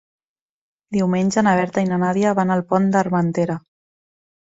Diumenge na Berta i na Nàdia van al Pont d'Armentera.